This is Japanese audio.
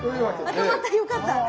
あ止まったよかった。